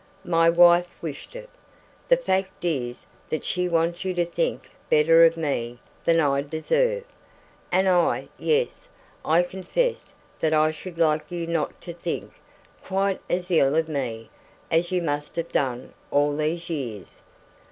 My wife wished it. The fact is that she wants you to think better of me than I deserve; and I yes I confess that I should like you not to think quite as ill of me as you must have done all these years.